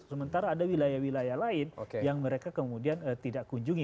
sementara ada wilayah wilayah lain yang mereka kemudian tidak kunjungi